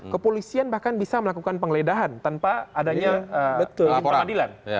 kepolisian bahkan bisa melakukan pengledahan tanpa adanya kehadilan